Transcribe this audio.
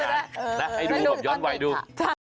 นะเด็กน่ะให้ดูย้อนไหวดูใช่